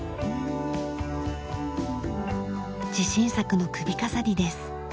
自信作の首飾りです。